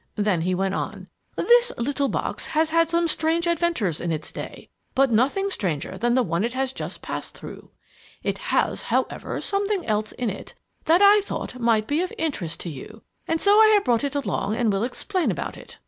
Then he went on, "This little box has had some strange adventures in its day, but nothing stranger than the one it has just passed through. It has, however, something else in it, that I thought might be of interest to you, and so I have brought it along and will explain about it."